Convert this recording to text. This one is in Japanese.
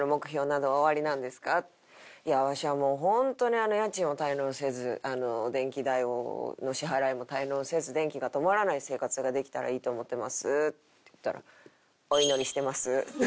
「いやわしはもうホントに家賃を滞納せず電気代の支払いも滞納せず電気が止まらない生活ができたらいいと思ってます」って言ったら。